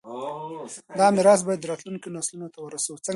دا میراث باید راتلونکو نسلونو ته ورسوو.